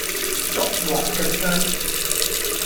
捉黃腳雞